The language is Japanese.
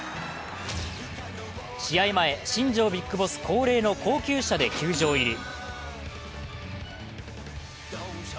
試合前、新庄ＢＩＧＢＯＳＳ恒例の高級車で球場入り。